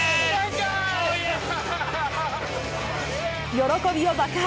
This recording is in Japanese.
喜びを爆発。